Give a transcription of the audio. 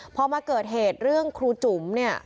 พอมาเกิดเหตุเรื่องครูจุ๋มเนี่ย